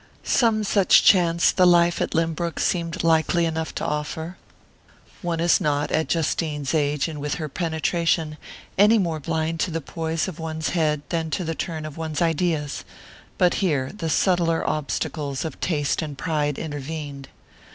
Some such chance the life at Lynbrook seemed likely enough to offer one is not, at Justine's age and with her penetration, any more blind to the poise of one's head than to the turn of one's ideas; but here the subtler obstacles of taste and pride intervened.